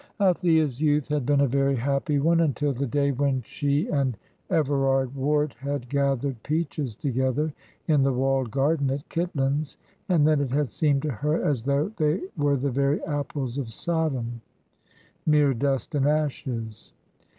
Althea's youth had been a very happy one, until the day when she and Everard Ward had gathered peaches together in the walled garden at Kitlands, and then it had seemed to her as though they were the very apples of Sodom mere dust and ashes.